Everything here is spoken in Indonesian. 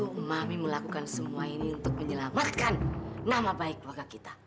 untuk mami melakukan semua ini untuk menyelamatkan nama baik warga kita